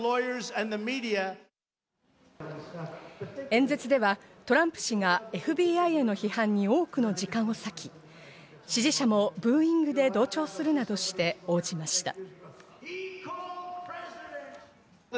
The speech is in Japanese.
演説では、トランプ氏がＦＢＩへの批判に多くの時間を割き、支持者もブーイングで同調するなどして応じました。